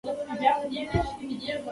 ایا زه به خپل کور وپیژنم؟